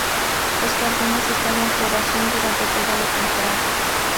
Los jardines están en floración durante toda la temporada.